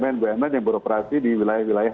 bumn bumn yang beroperasi di wilayah wilayah